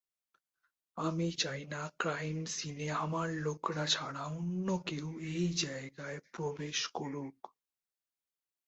আমি চাই না ক্রাইম সিনে আমার লোকরা ছাড়া অন্য কেউ এই জায়গায় প্রবেশ করুক।